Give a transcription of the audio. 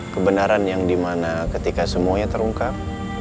kebenaran yang dimana ketika semuanya terungkap